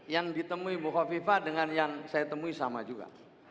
yang ditemui buko viva dengan yang saya temui sama juga